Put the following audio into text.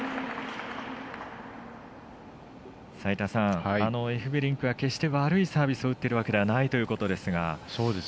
齋田さん、エフベリンクは決して悪いサービスを打っているわけではないということですが。